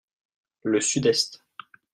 Le sud-est.